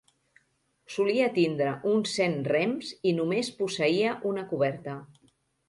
Solia tindre uns cent rems i només posseïa una coberta.